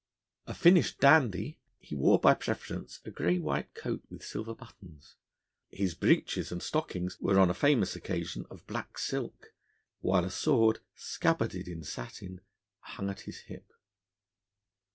A finished dandy, he wore by preference a grey white coat with silver buttons; his breeches and stockings were on a famous occasion of black silk; while a sword, scabbarded in satin, hung at his hip.